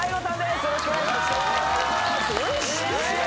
よろしくお願いします